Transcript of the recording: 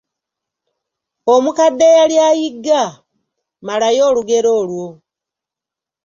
Omukadde eyali ayigga, malayo olugero olwo.